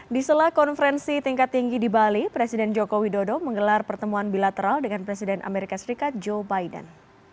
di sela konferensi tingkat tinggi di bali presiden joko widodo menggelar pertemuan bilateral dengan presiden amerika serikat joe biden